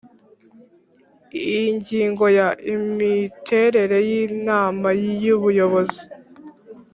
Ingingo ya Imiterere y Inama y Ubuyobozi